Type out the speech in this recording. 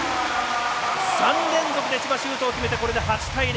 ３連続で千葉シュートを決めて８対０。